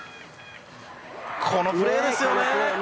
このプレーですよね！